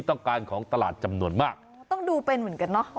ต้องการของตลาดจำนวนมากต้องดูเป็นเหมือนกันเนอะ